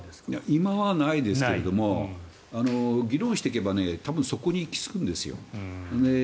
今はないですけども議論していけば多分、そこに行き着くんですよ。